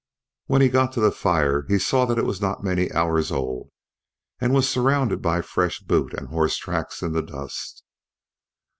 When he got to the fire he saw that it was not many hours old and was surrounded by fresh boot and horse tracks in the dust.